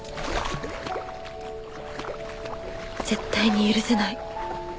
絶対に許せない